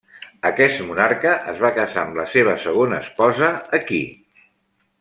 Aquest monarca es va casar amb la seva segona esposa aquí.